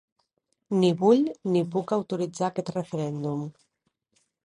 Ni vull ni puc autoritzar aquest referèndum.